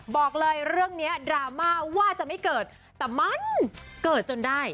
บอกเลยเรื่องนี้ดราม่าว่าจะไม่เกิดแต่มันเกิดจนได้